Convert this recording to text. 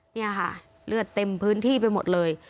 นี่ค่ะเลือดเต็มพื้นที่ไปหมดเลย